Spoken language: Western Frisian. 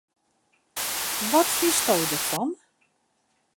Wat fynsto derfan?